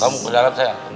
kamu ke dalam saya